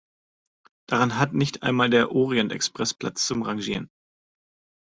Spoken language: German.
Darin hat nicht einmal der Orient-Express Platz zum Rangieren.